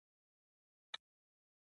د سترګو د لید لپاره باید څه شی وخورم؟